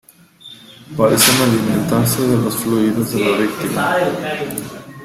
Parecen alimentarse de los fluidos de la víctima.